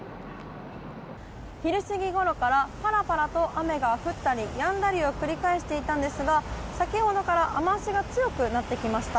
昼過ぎころからパラパラと雨が降ったりやんだりを繰り返していたんですが先ほどから雨脚が強くなってきました。